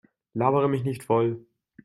Labere mich nicht voll!